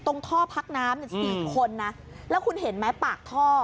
ท่อพักน้ำเนี่ย๔คนนะแล้วคุณเห็นไหมปากท่อ